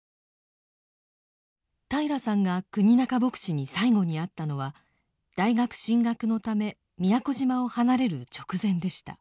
平良さんが国仲牧師に最後に会ったのは大学進学のため宮古島を離れる直前でした。